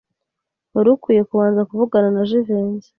Wari ukwiye kubanza kuvugana na Jivency.